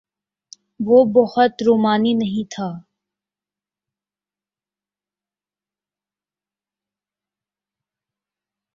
وہ بہت رومانی نہیں تھا۔